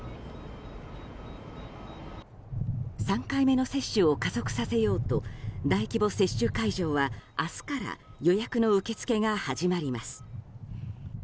３回目の接種を加速させようと大規模接種会場は明日から予約の受け付けが始まります。